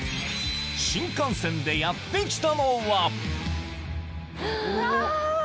新幹線でやって来たのはうわ！